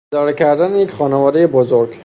اداره کردن یک خانوادهی بزرگ